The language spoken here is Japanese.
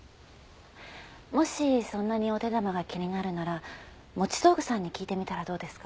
もしそんなにお手玉が気になるなら持道具さんに聞いてみたらどうですか？